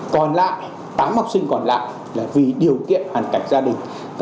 còn lại tám học sinh còn lại là vì điều kiện hoàn cảnh gia đình